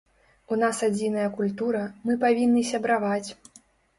У нас адзіная культура, мы павінны сябраваць.